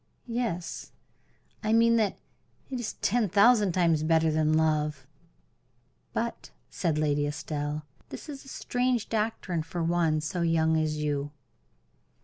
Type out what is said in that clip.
"Yes, I mean that it is ten thousand times better than love." "But," said Lady Estelle, "that is a strange doctrine for one so young as you."